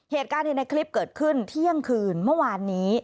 เหตุการณ์ในคลิปเกิดขึ้นเที่ยงคืนเมื่อวานนี้